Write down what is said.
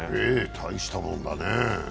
たいしたもんだね。